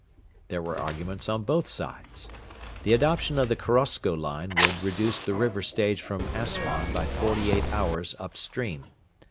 There were arguments on both sides. The adoption of the Korosko line would reduce the river stage from Assuan by forty eight hours up stream.